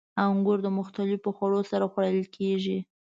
• انګور د مختلفو خوړو سره خوړل کېږي.